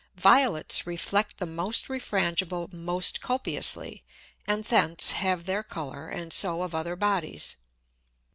Violets reflect the most refrangible most copiously, and thence have their Colour, and so of other Bodies.